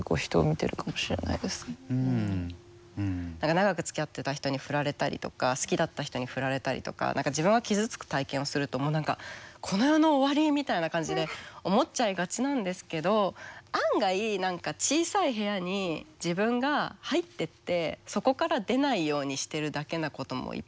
長くつきあってた人に振られたりとか好きだった人に振られたりとか何か自分が傷つく体験をするともう何かこの世の終わりみたいな感じで思っちゃいがちなんですけど案外何か小さい部屋に自分が入ってってそこから出ないようにしてるだけなこともいっぱいあって。